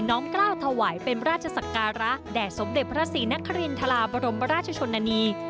้อมกล้าวถวายเป็นราชศักระแด่สมเด็จพระศรีนครินทราบรมราชชนนานี